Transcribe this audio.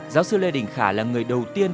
giáo sư lê đình khả là người đầu tiên